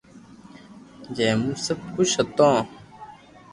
جي مون سب خوݾ ھتو